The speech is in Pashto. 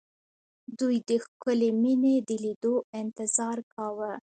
دوی د ښکلې مينې د ليدو انتظار کاوه